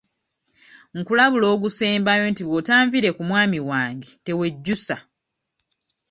Nkulabula ogusembayo nti bw'otanviire ku mwami wange tewejjusa.